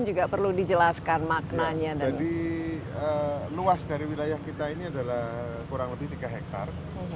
juga perlu dijelaskan maknanya dan di luas dari wilayah kita ini adalah kurang lebih tiga hektare